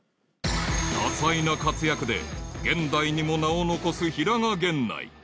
［多才な活躍で現代にも名を残す平賀源内］